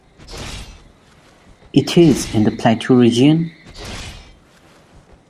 It is in the plateau region.